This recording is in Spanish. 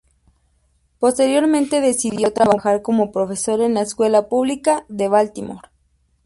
Posteriormente decidió trabajar como profesor en la escuela pública de Baltimore.